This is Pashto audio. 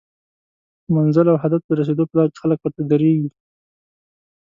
منزل او هدف ته د رسیدو په لار کې خلک ورته دریږي